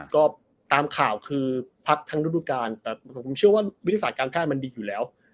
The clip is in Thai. ก็ตามข่าวว่าภาคทางดู๊ดการแต่ผมเชื่อว่าวิทยาศาสตร์กันท่านมันดีอยู่แล้ว